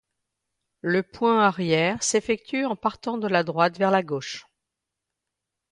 Le point arrière s'effectue en partant de la droite vers la gauche.